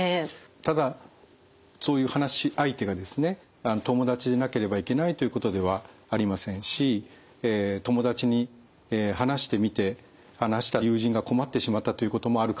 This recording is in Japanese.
ただそういう話し相手がですね友達でなければいけないということではありませんし友達に話してみて話したら友人が困ってしまったということもあるかもしれません。